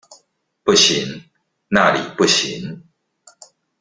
不行，那裡不行